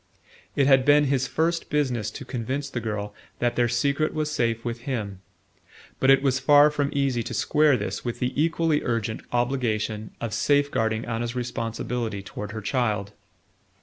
It had been his first business to convince the girl that their secret was safe with him; but it was far from easy to square this with the equally urgent obligation of safe guarding Anna's responsibility toward her child.